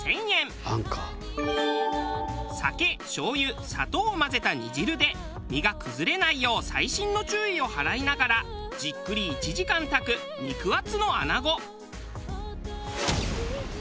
酒醤油砂糖を混ぜた煮汁で身が崩れないよう細心の注意を払いながらじっくり１時間炊く肉厚の穴子。